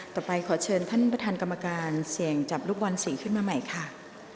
ต่อไปขอเชิญท่านประธานกรรมการเสี่ยงจับลูกบอลสีขึ้นมาใหม่ค่ะ